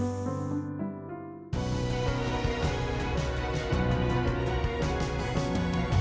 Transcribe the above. amin ya allah